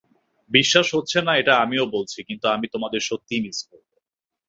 বিশ্বাস হচ্ছে না আমিও এটা বলছি, কিন্তু আমি তোমাদের সত্যিই মিস করব।